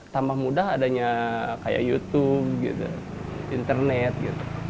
tambah mudah adanya kayak youtube gitu internet gitu